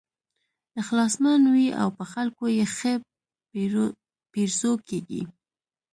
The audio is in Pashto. اخلاصمن وي او په خلکو یې ښه پیرزو کېږي.